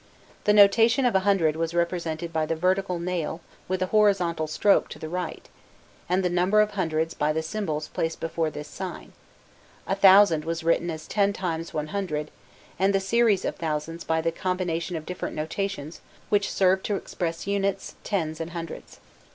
The notation of a hundred was represented by the vertical "nail" with a horizontal stroke to the right thus [symbols], and the number of hundreds by the symbols placed before this sign, thus [symbols], etc.: a thousand was written [symbols] i.e. ten times one hundred, and the series of thousands by the combination of different notations which served to express units, tens, and hundreds.